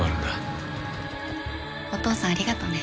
現在お父さんありがとうね。